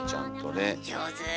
上手。